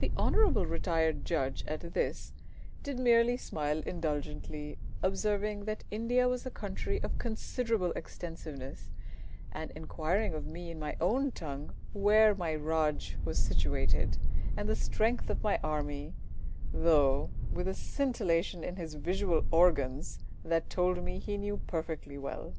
The Hon'ble Retired Judge at this did merely smile indulgently, observing that India was a country of considerable extensiveness, and inquiring of me in my own tongue where my raj was situated, and the strength of my army, though with a scintillation in his visual organs that told me he knew me perfectly well.